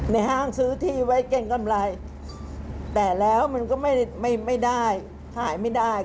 ห้างซื้อที่ไว้เก่งกำไรแต่แล้วมันก็ไม่ได้ขายไม่ได้